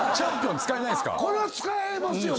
これは使えますよね？